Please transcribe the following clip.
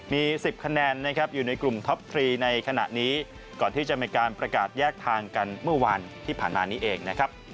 มี๑๐คะแนนนะครับอยู่ในกลุ่มท็อปทรีในขณะนี้ก่อนที่จะมีการประกาศแยกทางกันเมื่อวานที่ผ่านมานี้เองนะครับ